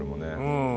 うん。